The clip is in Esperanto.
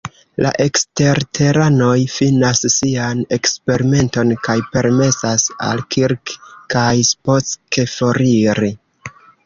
La eksterteranoj finas sian eksperimenton kaj permesas al Kirk kaj Spock foriri.